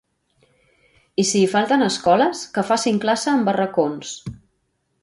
I si hi falten escoles, que facin classe en barracons.